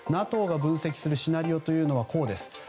ＮＡＴＯが分析するシナリオはこうです。